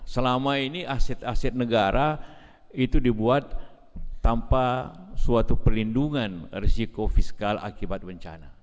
selama ini aset aset negara itu dibuat tanpa suatu pelindungan risiko fiskal akibat bencana